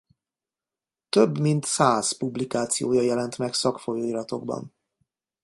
Több mint száz publikációja jelent meg szakfolyóiratokban.